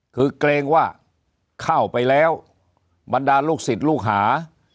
คือเกรงว่าเข้าไปแล้วบรรดาลูกศิษย์ลูกหา